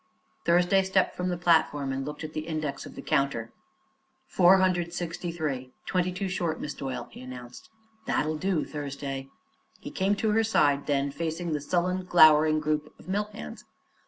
Thursday stepped from the platform and looked at the index of the counter. "Four hundred and sixty three. Twenty two short, Miss Doyle," he announced. "That'll do, Thursday." He came to her side, then, facing the sullen, glowering group of mill hands.